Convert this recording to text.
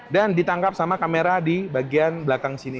dan ditangkap sama kamera di bagian belakang sini